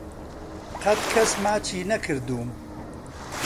قەت کەس ماچی نەکردووم.